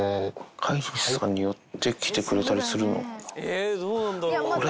飼い主さんに寄ってきたりするのかな？